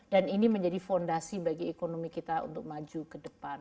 dan ini menjadi fondasi bagi ekonomi kita untuk maju ke depan